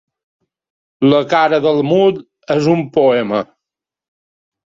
La cara del Mud és un poema.